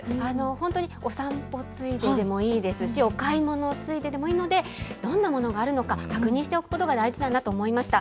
本当にお散歩ついででもいいですし、お買い物ついででもいいので、どんなものがあるのか確認しておくことが大事だなと思いました。